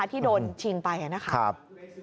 ที่โดนชิงไปนะครับ